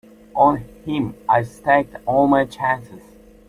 On him I staked all my chances.